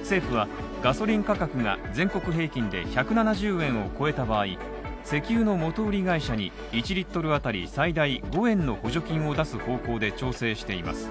政府は、ガソリン価格が全国平均で１７０円を超えた場合、石油の元売り会社に１Ｌ当たり最大５円の補助金を出す方向で調整しています。